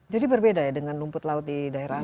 jadi berbeda ya dengan rumput laut di daerah lain